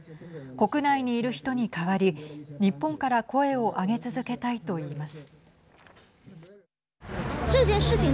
国内にいる人に代わり日本から声を上げ続けたいと言います。